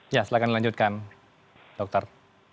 ya silahkan lanjutkan dokter